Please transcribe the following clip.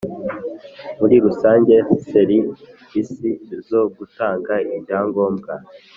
Muri rusange ser isi zo gutanga ibyangombwa